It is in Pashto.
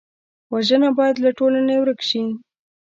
وژنه باید له ټولنې ورک شي